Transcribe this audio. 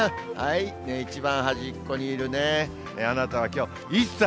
一番端っこにいるあなたはきょう、１歳。